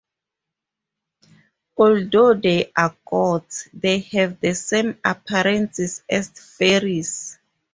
Although they are "gods," they have the same appearances as the fairies.